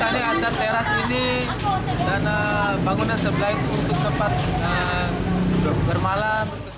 dan bangunan sebelah itu untuk tempat bermalam